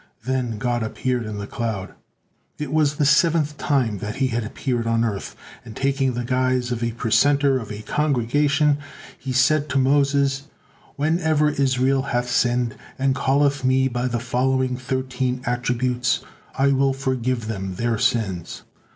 Then God appeared in the cloud. It was the seventh time that He appeared on earth, and taking the guise of a precentor of a congregation, He said to Moses: "Whenever Israel hath sinned, and calleth Me by the following thirteen attributes, I will forgive them their sins.